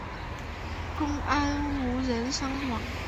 公安无人伤亡。